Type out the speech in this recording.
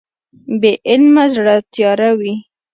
بې علمه زړه تیاره وي.